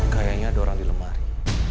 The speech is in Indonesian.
kayaknya ada orang di lemari